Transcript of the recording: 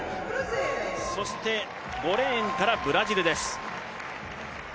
そして、５レーンからブラジルです。